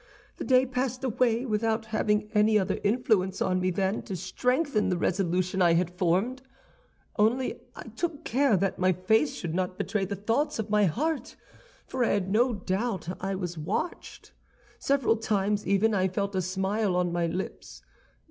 "The day passed away without having any other influence on me than to strengthen the resolution I had formed; only I took care that my face should not betray the thoughts of my heart, for I had no doubt I was watched. Several times, even, I felt a smile on my lips.